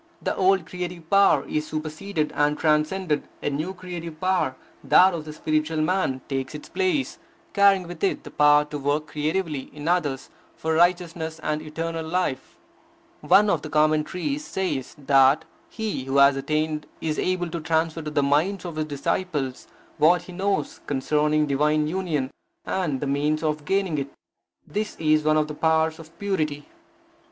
The old creative power is superseded and transcended; a new creative power, that of the spiritual man, takes its place, carrying with it the power to work creatively in others for righteousness and eternal life. One of the commentaries says that he who has attained is able to transfer to the minds of his disciples what he knows concerning divine union, and the means of gaining it. This is one of the powers of purity.